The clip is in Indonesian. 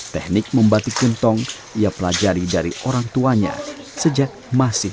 teknik membatik gentong ia pelajari dari orang tuanya sejak masih